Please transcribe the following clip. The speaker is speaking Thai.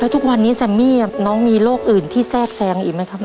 ทุกวันนี้แซมมี่น้องมีโรคอื่นที่แทรกแซงอีกไหมครับ